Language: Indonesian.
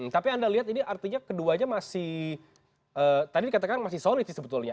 tapi anda lihat ini artinya keduanya masih tadi dikatakan masih solid sih sebetulnya